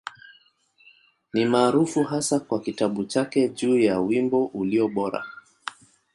Ni maarufu hasa kwa kitabu chake juu ya Wimbo Ulio Bora.